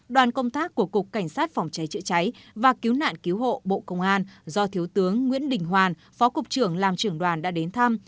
đoàn công tác của cục cảnh sát phòng cháy chữa cháy và cứu nạn cứu hộ bộ công an do thiếu tướng nguyễn đình hoàn phó cục trưởng làm trưởng đoàn đã đến thăm